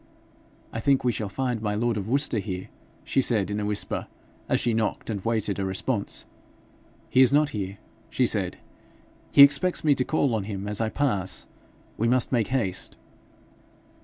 'I think we shall find my lord of Worcester here,' she said in a whisper, as she knocked and waited a response. 'He is not here,' she said. 'He expects me to call on him as I pass. We must make haste.'